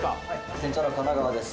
船長の金川です。